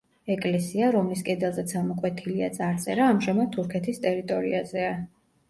ეკლესია, რომლის კედელზეც ამოკვეთილია წარწერა, ამჟამად თურქეთის ტერიტორიაზეა.